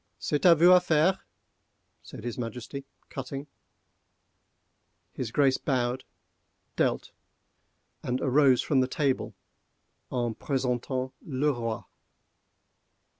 "C'est à vous à faire," said his Majesty, cutting. His Grace bowed, dealt, and arose from the table en presentant le Roi.